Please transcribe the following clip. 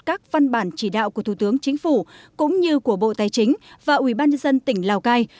các văn bản chỉ đạo của thủ tướng chính phủ cũng như của bộ tài chính và ubnd tỉnh lào cai